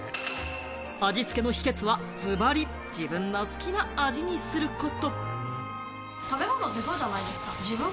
味付けの秘訣はズバリ、自分の好きな味にすること。